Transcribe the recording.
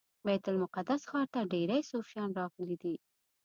بیت المقدس ښار ته ډیری صوفیان راغلي دي.